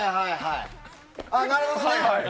なるほどね！